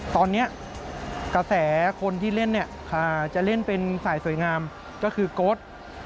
ตอนนี้กระแสคนที่เล่นเนี่ยจะเล่นเป็นสายสวยงามก็คือโก๊ส